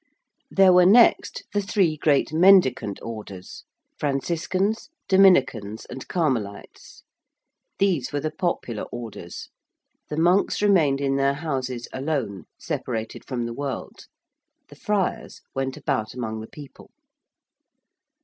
There were next the three great Mendicant Orders, Franciscans, Dominicans, and Carmelites. These were the popular Orders. The monks remained in their Houses alone, separated from the world. The friars went about among the people.